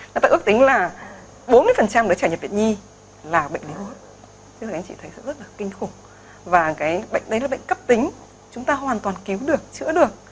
chúng ta ước tính là bốn mươi đứa trẻ nhập viện nhi là bệnh lý hút chứ là các anh chị thấy rất là kinh khủng và cái bệnh đấy là bệnh cấp tính chúng ta hoàn toàn cứu được chữa được